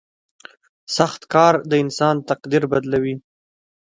• سخت کار د انسان تقدیر بدلوي.